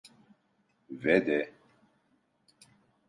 Ve de…